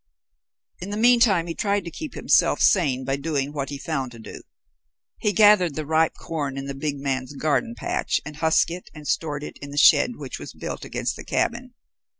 In the meantime he tried to keep himself sane by doing what he found to do. He gathered the ripe corn in the big man's garden patch and husked it and stored it in the shed which was built against the cabin.